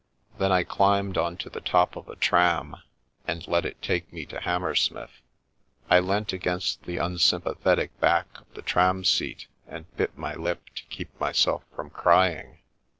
Then I climbed on to the top of a tram, and let it take me to Hammersmith. I leant against the unsympathetic back of the tram seat and bit my lip to keep myself from crying.